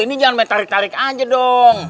ini jangan tarik tarik aja dong